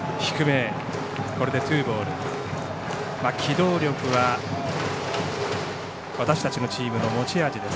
機動力は私たちのチームの持ち味です。